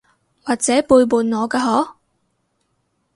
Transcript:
或者背叛我㗎嗬？